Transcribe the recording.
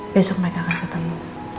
besok mereka akan ketemu